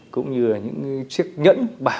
cũng như những chiếc nhẫn bạc